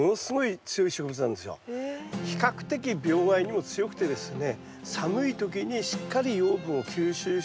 比較的病害にも強くてですね